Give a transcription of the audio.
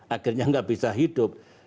akhirnya tidak bisa hidup